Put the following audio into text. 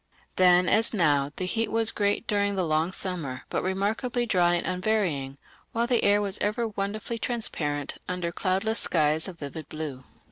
Then as now the heat was great during the long summer, but remarkably dry and unvarying, while the air was ever wonderfully transparent under cloudless skies of vivid blue.